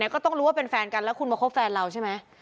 ก็ต้องรู้ว่าเป็นแฟนกันแล้วคุณมาคบแฟนเราใช่ไหม